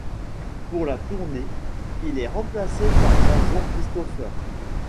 Pour la tournée, il est remplacé par Jason Christopher.